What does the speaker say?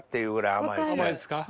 甘いですか？